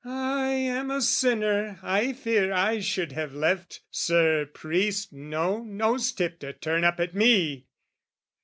"I am a sinner, I fear I should have left "Sir Priest no nose tip to turn up at me!"